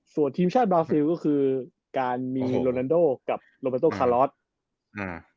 ส่วนทีมชาติบราซิลก็คือการมีโรนันโดกับโรเบโตคาลอสอ่า